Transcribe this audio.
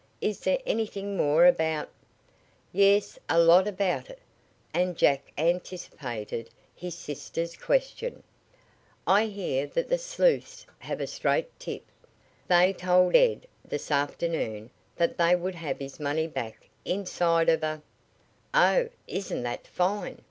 Is there anything more about " "Yes, a lot about it," and Jack anticipated his sister's question. "I hear that the sleuths have a straight tip. They told Ed this afternoon that they would have his money back inside of a " "Oh, isn't that fine!"